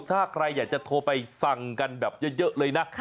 ถ้าใครอยากจะโทรไปสั่งกันแบบเยอะเลยนะ